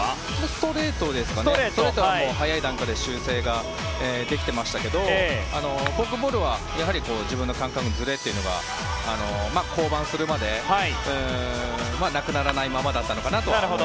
ストレートは早い段階で修正できていましたがフォークボールは自分の感覚のずれというのが降板するまで、なくならないままだったのかなと。